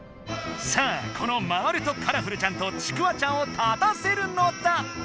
さあこの「まわるとカラフルちゃん」と「ちくわちゃん」を立たせるのだ！